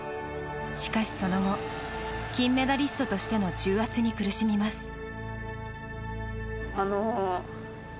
しかし、その後金メダリストとしての重圧に苦しみます。